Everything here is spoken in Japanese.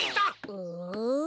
うん？